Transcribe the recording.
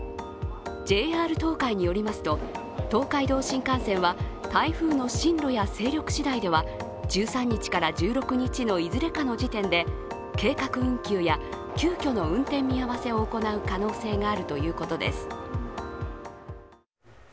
ＪＲ東海によりますと東海道新幹線は台風の進路や勢力次第では１３日から１６日のいずれかの時点で計画運休や急きょの運転見合わせを行う可能性があるということです。